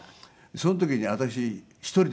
その時に私一人でね